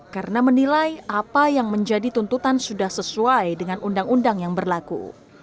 karena menilai apa yang menjadi tuntutan sudah sesuai dengan undang undang yang berlaku